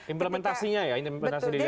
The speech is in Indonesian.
implementasinya ya implementasi di daerah ya